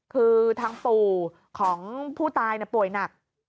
คือทางปู่ของผู้ตายป่วยหนัก